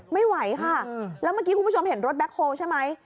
ไม่ไหวค่ะแล้วเมื่อกี้คุณผู้ชมเห็นรถแบ็คโฮลใช่ไหม